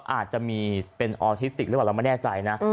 อาจจะเป็นอทิติกอะไรบ้างเราก็ไม่แน่ใจนะ